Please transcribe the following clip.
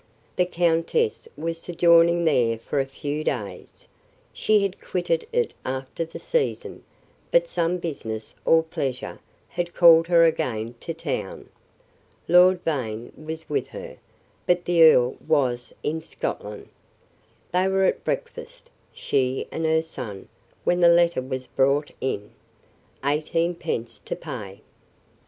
The countess was sojourning there for a few days; she had quitted it after the season, but some business, or pleasure, had called her again to town. Lord Vane was with her, but the earl was in Scotland. They were at breakfast, she and her son, when the letter was brought in: eighteen pence to pay.